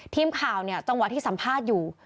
ทีมข่าวเนี่ยจังหวะที่สัมภาษณ์อยู่